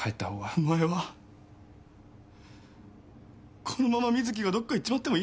お前はこのまま瑞稀がどっか行っちまってもいいのか？